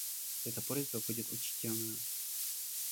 Эта просьба будет учтена.